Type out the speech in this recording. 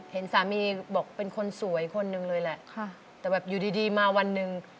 เห็นสามีบอกเป็นคนสวยคนหนึ่งเลยแหละแต่แบบอยู่ดีมาวันหนึ่ง